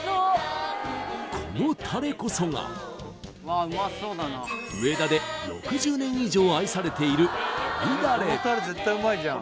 このたれこそが上田で６０年以上愛されている美味だれ